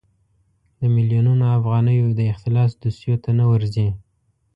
د میلیونونو افغانیو د اختلاس دوسیو ته نه ورځي.